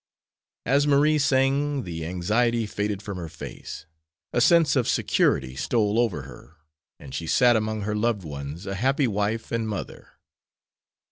As Marie sang the anxiety faded from her face, a sense of security stole over her, and she sat among her loved ones a happy wife and mother.